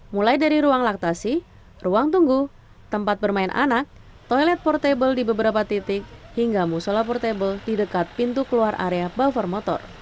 mulai dari ruang laktasi ruang tunggu tempat bermain anak toilet portable di beberapa titik hingga musola portable di dekat pintu keluar area buffer motor